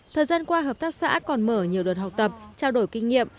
thời gian qua hợp tác xã còn mở nhiều đợt học tập trao đổi kinh nghiệm